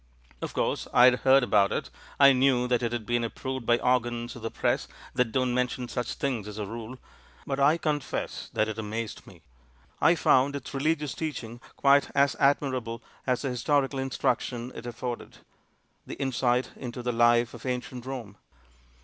Of course, I had heard about it — I knew .that it had been ap proved by organs of the Press that don't mention such things as a rule — but I confess that it amazed me. I found its religious teaching quite as admirable as the historical instruction it af forded — the insight into the life of ancient Kome.